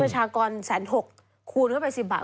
ชากร๑๖๐๐คูณเข้าไป๑๐บาท